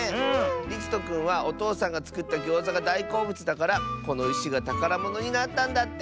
りつとくんはおとうさんがつくったギョーザがだいこうぶつだからこのいしがたからものになったんだって！